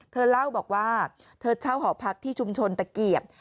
เธอเล่าบอกว่าเธอเช่าหอพักที่ชุมชนตะเกียบ